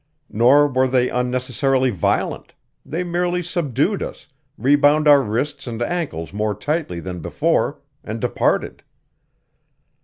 Nor were they unnecessarily violent; they merely subdued us, rebound our wrists and ankles more tightly than before, and departed.